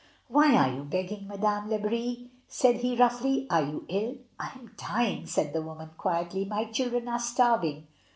"Why are you begging, Madame Lebris?" said he roughly. "Are you ill?" "I am dying," said the woman quietly; "my children are starving."